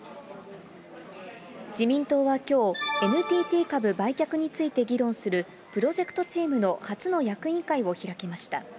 自民党はきょう、ＮＴＴ株売却について議論するプロジェクトチームの初の役員会を開きました。